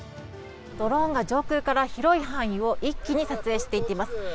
ドローンが上空から広い範囲を一気に撮影していっています。